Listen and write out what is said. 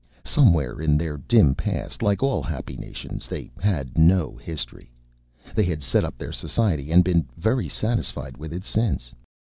Somewhere in their dim past like all happy nations, they had no history they had set up their society and been very satisfied with it since.